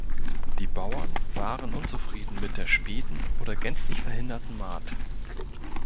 Die Bauern waren unzufrieden mit der späten oder gänzlich verhinderten Mahd.